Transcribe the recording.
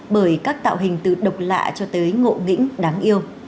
bởi các tạo hình từ độc lạ cho tới ngộ nghĩnh đáng yêu